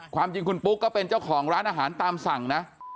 ความจริงคุณปุ๊กก็เป็นเจ้าของร้านอาหารตามสั่งนะ